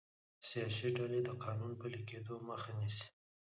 سیاسي ډلې د قانون پلي کیدو مخه نیسي